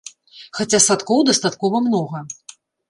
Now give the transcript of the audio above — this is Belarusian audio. Хаця садкоў дастаткова многа.